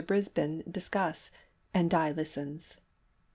BRISBANE DISCUSS, AND DI LISTENS.